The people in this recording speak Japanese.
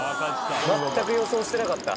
全く予想してなかった。